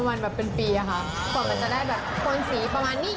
ก่อนมันจะได้โคนสีประมาณนี้